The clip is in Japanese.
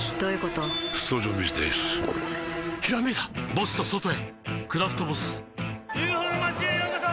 ボスと外へ「クラフトボス」ＵＦＯの町へようこそ！